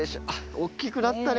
大っきくなったね